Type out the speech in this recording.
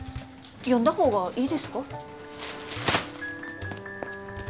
読んだ方がいいですか？